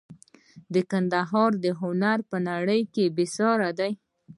د ګندهارا هنر په نړۍ کې بې ساري دی